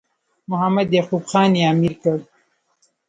محمد یعقوب خان یې امیر کړ.